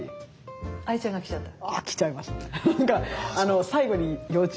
ＡＩちゃんがきちゃった？